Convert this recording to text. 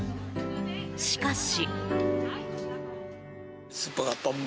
しかし。